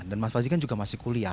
dan mas fazi kan juga masih kuliah